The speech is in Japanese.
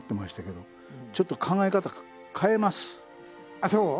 あっそう？